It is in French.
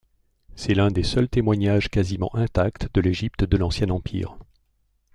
C'est l'un des seuls témoignages quasiment intacts de l'Égypte de l'Ancien Empire.